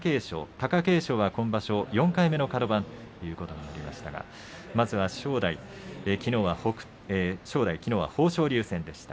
貴景勝は今場所４回目のカド番ということになりましたがまずは正代、きのうは豊昇龍戦でした。